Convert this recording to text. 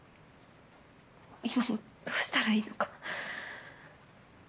今もどうしたらいいのか。